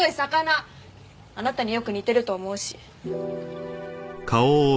あなたによく似てると思うし。